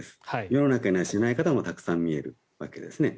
世の中にはしない方もたくさん見えるわけですね。